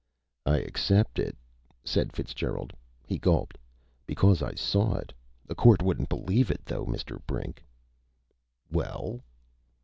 "I accept it," said Fitzgerald. He gulped. "Because I saw it. A court wouldn't believe it, though, Mr. Brink!" "Well?"